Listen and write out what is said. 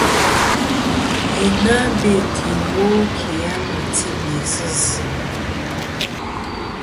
Yi na bêtɨ iwo kì a ma ti be sɨ zɨ.